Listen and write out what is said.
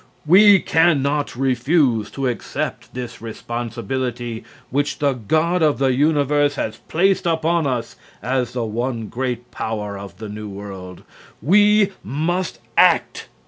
We cannot refuse to accept this responsibility which the God of the Universe has placed upon us as the one great power of the New World. We must act!